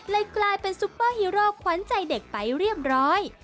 กลายเป็นซุปเปอร์ฮีโร่ขวัญใจเด็กไปเรียบร้อย